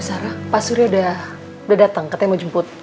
sarah pak surya udah datang katanya mau jemput